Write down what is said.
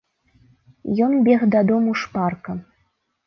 Ён бег дадому шпарка.